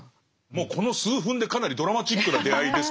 もうこの数分でかなりドラマチックな出会いですけどね。